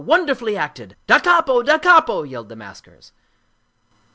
Wonderfully acted I Da capo, da capo!" yelled the maskers.